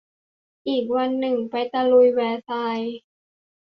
อีกวันนึงไปตะลุยแวร์ซายน์